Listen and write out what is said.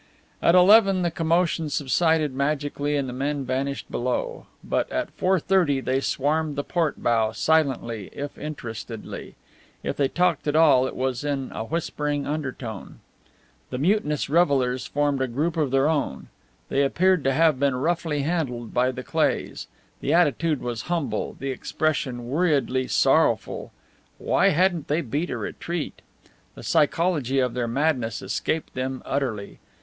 At eleven the commotion subsided magically and the men vanished below, but at four thirty they swarmed the port bow, silently if interestedly. If they talked at all it was in a whispering undertone. The mutinous revellers formed a group of their own. They appeared to have been roughly handled by the Cleighs. The attitude was humble, the expression worriedly sorrowful. Why hadn't they beat a retreat? The psychology of their madness escaped them utterly.